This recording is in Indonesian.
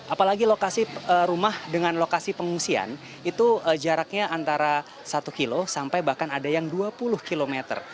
apalagi lokasi rumah dengan lokasi pengungsian itu jaraknya antara satu kilo sampai bahkan ada yang dua puluh km